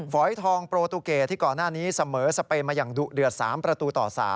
ฝอยทองโปรตูเกตที่ก่อนหน้านี้เสมอสเปนมาอย่างดุเดือด๓ประตูต่อ๓